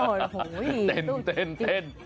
โอ้โหเต้นเต้น